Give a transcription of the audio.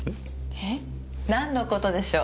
えっ？何の事でしょう？